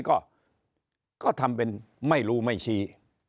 ก็ทำเป็นไม่รู้ไม่ชี้